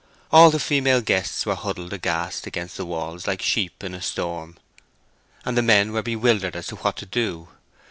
All the female guests were huddled aghast against the walls like sheep in a storm, and the men were bewildered as to what to do.